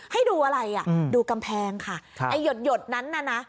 ให้ดูอะไรอ่ะดูกำแพงค่ะไอ้หยดหยดนั้นน่ะนะ